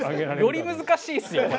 より難しいっすよ。